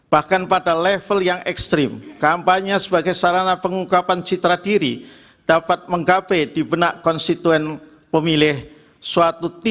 bahkan pada level yang ekstrim kampanye sebagai sarana pengungkapan citra diri dapat menggapai di benak konstituen pemilih suatu tim